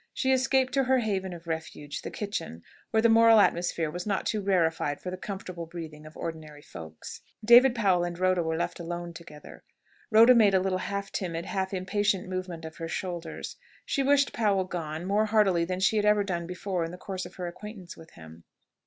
She escaped to her haven of refuge, the kitchen, where the moral atmosphere was not too rarefied for the comfortable breathing of ordinary folks. David Powell and Rhoda were left alone together. Rhoda made a little half timid, half impatient movement of her shoulders. She wished Powell gone, more heartily than she had ever done before in the course of her acquaintance with him.